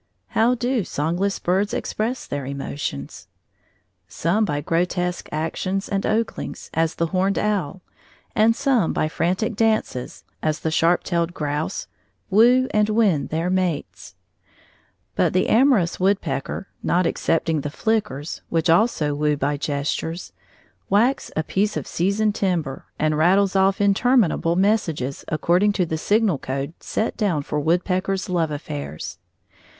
How do songless birds express their emotions? Some by grotesque actions and oglings, as the horned owl, and some by frantic dances, as the sharp tailed grouse, woo and win their mates; but the amorous woodpecker, not excepting the flickers, which also woo by gestures, whacks a piece of seasoned timber, and rattles off interminable messages according to the signal code set down for woodpeckers' love affairs.